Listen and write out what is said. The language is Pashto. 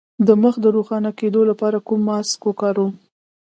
د مخ د روښانه کیدو لپاره کوم ماسک وکاروم؟